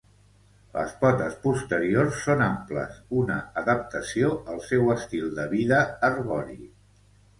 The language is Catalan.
Les potes posteriors són amples, una adaptació al seu estil de vida arbori.